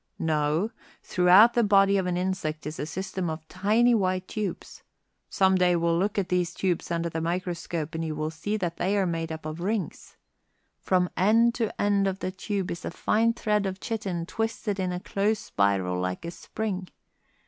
"No; throughout the body of an insect is a system of tiny white tubes. Some day we'll look at these tubes under the microscope, and you will see that they are made up of rings. From end to end of the tube is a fine thread of chitin twisted in a close spiral like a spring.